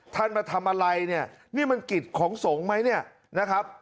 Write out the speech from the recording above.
มาทำอะไรเนี่ยนี่มันกิจของสงฆ์ไหมเนี่ยนะครับ